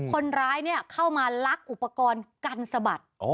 คนร้ายเข้ามาลักอุปกรณ์กันสะบัด